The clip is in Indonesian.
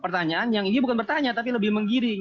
pertanyaan yang ini bukan bertanya tapi lebih menggiring